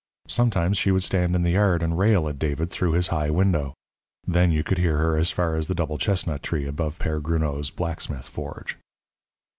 Sometimes she would stand in the yard and rail at David through his high window. Then you could hear her as far as the double chestnut tree above Père Gruneau's blacksmith forge.